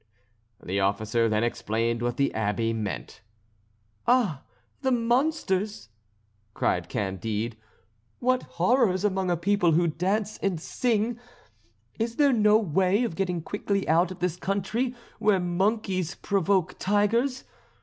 The officer then explained what the Abbé meant. "Ah, the monsters!" cried Candide. "What horrors among a people who dance and sing! Is there no way of getting quickly out of this country where monkeys provoke tigers?